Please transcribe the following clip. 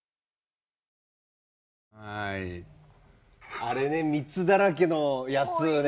あれね蜜だらけのやつね。